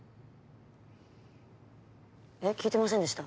えっ聞いてませんでした。